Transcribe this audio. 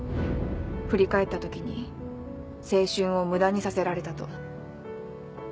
振り返った時に青春を無駄にさせられたと。